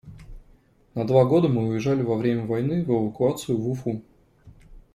На два года мы уезжали во время войны в эвакуацию в Уфу.